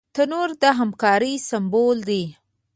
تنور د همکارۍ سمبول دی